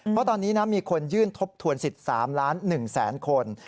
เพราะตอนนี้มีคนยื่นทบทวนสิทธิ์๓ล้าน๑แสนคน